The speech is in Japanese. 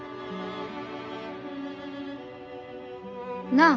なあ。